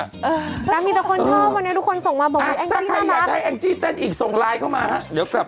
น่ะมีต้องการชอบวันนี้ต้องขอตครับ